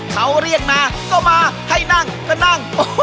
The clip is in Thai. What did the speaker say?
เขาเรียกนาก็มาให้นั่งก็นั่ง